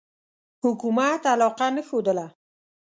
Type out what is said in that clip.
حکومت علاقه نه ښودله.